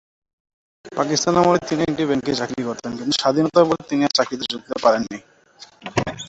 পাকিস্তান আমলে তিনি একটি ব্যাংকে চাকরি করতেন, কিন্তু স্বাধীনতার পর তিনি আর চাকরিতে যোগ দিতে পারেননি।